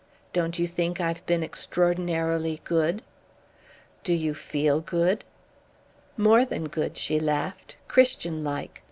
Don't you think I've been extraordinarily good?" "Do you feel good?" "More than good," she laughed. "Christianlike.